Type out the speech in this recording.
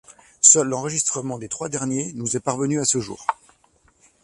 Seul l'enregistrement des trois dernières nous est parvenu à ce jour.